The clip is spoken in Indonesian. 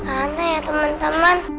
aneh ya teman teman